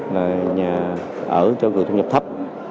là nhà ở cho người thu nhập thấp